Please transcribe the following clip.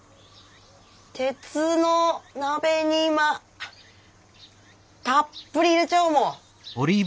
鉄の鍋に今たっぷり入れちゃうもう。